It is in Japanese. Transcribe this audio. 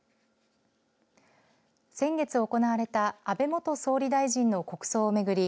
先月行われた安倍元総理大臣の国葬を巡り